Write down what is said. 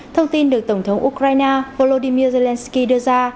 thông tin được tổng thống ukraine volodymyr zelensky đưa ra